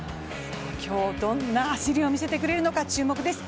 今日、どんな走りを見せてくれるのか注目です。